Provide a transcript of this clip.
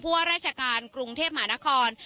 เพราะว่าราชการกรุงเทพหมานคร